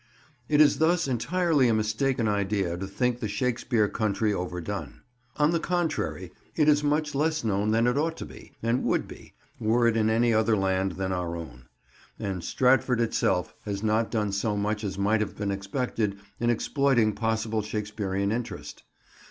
It is thus entirely a mistaken idea to think the Shakespeare Country overdone. On the contrary, it is much less known than it ought to be, and would be, were it in any other land than our own. And Stratford itself has not done so much as might have been expected in exploiting possible Shakespearean interest.